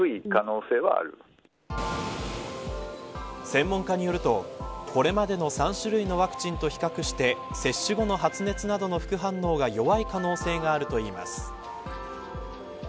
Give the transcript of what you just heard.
専門家によるとこれまでの３種類のワクチンと比較して接種後の発熱などの副反応が弱い可能性があるといいます。